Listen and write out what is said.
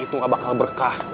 itu nggak bakal berkah